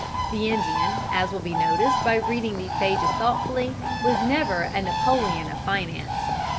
The Indian, as will be noticed by reading these pages thoughtfully, was never a Napoleon of finance.